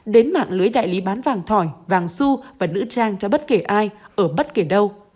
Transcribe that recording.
đến mạng lưới đại lý bán vàng thỏi vàng su và nữ trang cho bất kể ai ở bất kỳ đâu